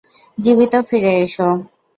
জীবিত ফিরে এসো।